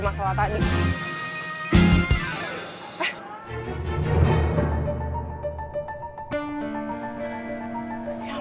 masuk kuliah dulu